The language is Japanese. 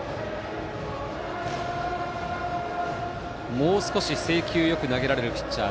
もう少し制球よく投げられるピッチャー。